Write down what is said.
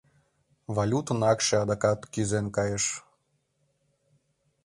Валютын акше адакат кӱзен кайыш.